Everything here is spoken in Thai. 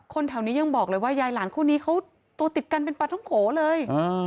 แถวนี้ยังบอกเลยว่ายายหลานคู่นี้เขาตัวติดกันเป็นปลาท้องโขเลย